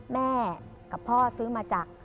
แม่กับพ่อซื้อมาจาก